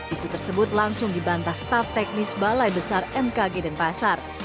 isu tersebut langsung dibantah staf teknis balai besar mkg dan pasar